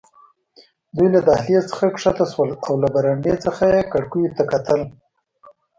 دوی له دهلېز څخه کښته شول او له برنډې څخه یې کړکیو ته کتل.